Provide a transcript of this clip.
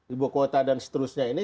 ibu kota dan seterusnya ini